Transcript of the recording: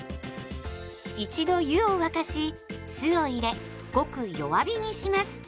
一度湯を沸かし酢を入れごく弱火にします。